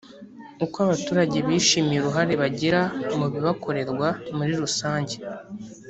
uko abaturage bishimiye uruhare bagira mu bibakorerwa muri rusange